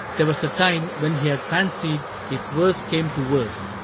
There was a time When he had fancied, if worst came to worst.